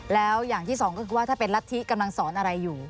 แล้วอย่างที่สองก็คือว่าถ้าเป็นรัฐธิกำลังสอนอะไรอยู่